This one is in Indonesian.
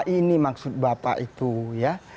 ini maksud bapak itu ya